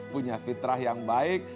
punya fitrah yang baik